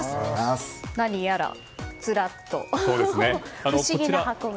何やら、ずらっと不思議な箱が。